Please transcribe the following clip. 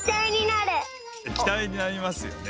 液体になりますよね。